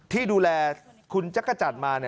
ที่ดูแลคุณจักรจันทร์มา